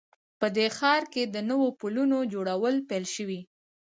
په دې ښار کې د نوو پلونو جوړول پیل شوي